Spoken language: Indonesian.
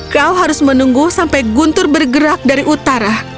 kau harus menunggu sampai guntur bergerak dari utara